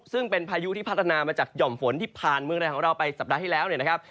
ซึ่งเป็นพายุที่พัฒนามาจากหย่อมฝนที่ผ่านเมืองไทยของเราไปสัปดาห์ที่แล้วเนี่ยนะครับ